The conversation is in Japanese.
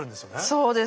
そうです。